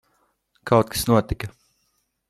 Kaut kas notika.